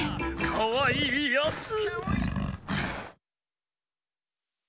かわいいやつ！